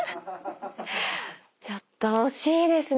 ちょっと惜しいですね。